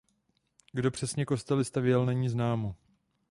Kdo přesně kostely stavěl není známo.